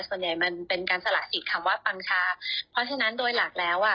ส่วนใหญ่มันเป็นการสละสิทธิ์คำว่าปังชาเพราะฉะนั้นโดยหลักแล้วอ่ะ